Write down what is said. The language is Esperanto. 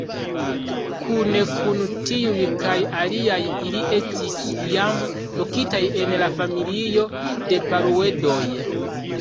Kune kun tiuj kaj aliaj ili estis iam lokitaj en la familio de Paruedoj.